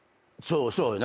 そうよね。